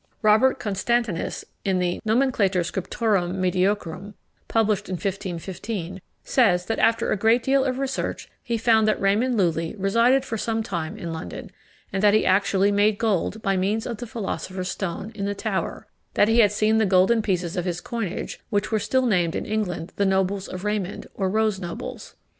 Robert Constantinus, in the Nomenclator Scriptorum Medicorum, published in 1515, says, that after a great deal of research, he found that Raymond Lulli resided for some time in London, and that he actually made gold, by means of the philosopher's stone, in the Tower; that he had seen the golden pieces of his coinage, which were still named in England the nobles of Raymond, or rose nobles.